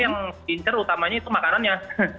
yang pincer utamanya itu makanannya